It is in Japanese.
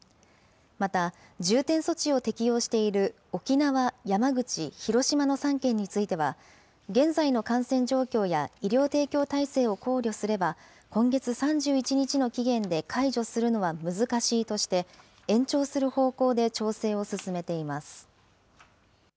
また、重点措置を適用している沖縄、山口、広島の３県については、現在の感染状況や医療提供体制を考慮すれば、今月３１日の期限で解除するのは難しいとして、延長する方向で調整を進めています。